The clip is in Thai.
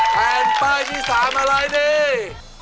แล้วป้ายที่สามอะไรดี